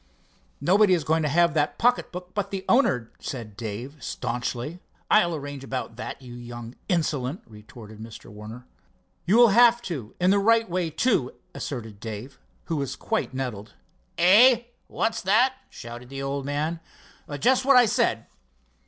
"Nobody is going to have that pocket book but the owner," said Dave staunchly. "I'll arrange about that, you young insolent!" retorted Mr. Warner. "You'll have to, in the right way, too," asserted Dave, who was quite nettled. "Eh—what's that?" shouted the old man. "Just what I said.